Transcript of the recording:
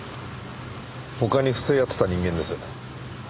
他に不正やってた人間です。